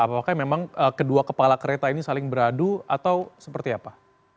apakah memang kedua kepala kereta ini saling beradu atau seperti apa